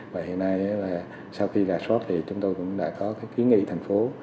và hiện nay sau khi rà soát thì chúng tôi cũng đã có ký nghị thành phố